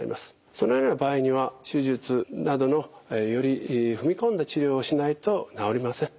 そのような場合には手術などのより踏み込んだ治療をしないと治りません。